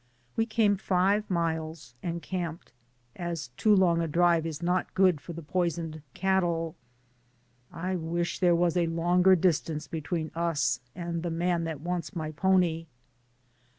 We came five miles and camped, as too long a drive is not good for the pois oned cattle. I wish there was a longer dis tance between us and the man that wants my pony.